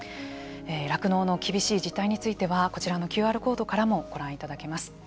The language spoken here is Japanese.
酪農の厳しい実態についてはこちらのＱＲコードからもご覧いただけます。